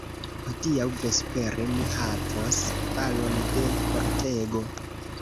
Hodiaŭ vespere ni havos balon de kortego!